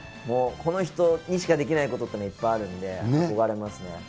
もうこの人にしかできないことっていうのがいっぱいあるんで、憧れますね。